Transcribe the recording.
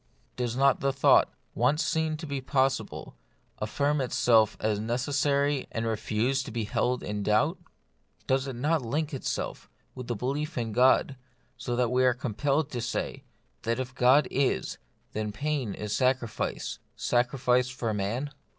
Does not the thought, once seen to be possible, affirm itself as necessary, and refuse to be held in doubt ? Does it not link itself with the belief in God, so that we are compelled to say, that if God is, then pain is sacrifice — sacrifice for man